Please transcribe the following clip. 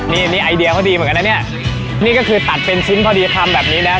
นี่นี่ไอเดียเขาดีเหมือนกันนะเนี่ยนี่ก็คือตัดเป็นชิ้นพอดีทำแบบนี้แล้ว